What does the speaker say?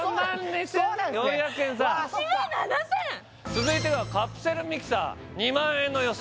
続いてはカプセルミキサー２万円の予想